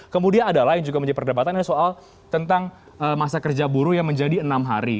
kemudian adalah yang juga menjadi perdebatan soal tentang masa kerja buruh yang menjadi enam hari